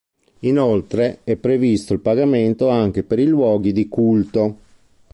Inoltre, è previsto il pagamento anche per i luoghi di culto.